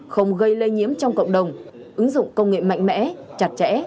không gây lây nhiễm trong cộng đồng ứng dụng công nghệ mạnh mẽ chặt chẽ